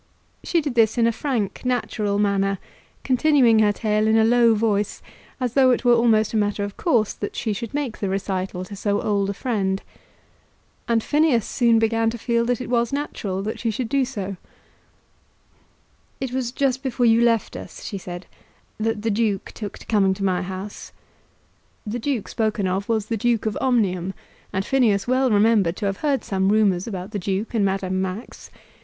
She did this in a frank natural manner, continuing her tale in a low voice, as though it were almost a matter of course that she should make the recital to so old a friend. And Phineas soon began to feel that it was natural that she should do so. "It was just before you left us," she said, "that the Duke took to coming to my house." The duke spoken of was the Duke of Omnium, and Phineas well remembered to have heard some rumours about the Duke and Madame Max.